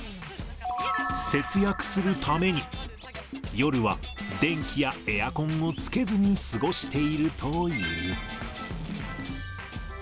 節約するために、夜は電気やエアコンをつけずに過ごしているという。